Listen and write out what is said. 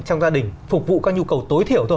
trong gia đình phục vụ các nhu cầu tối thiểu thôi